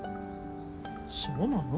そうなの？